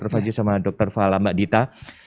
sama dr fajri sama dr fala mbak dita